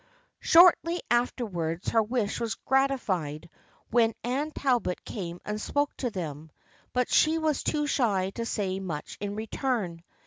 " Shortly afterwards her wish was gratified when Anne Talbot came and spoke to them, but she was too shy to say much in return.